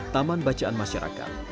taman bacaan masyarakat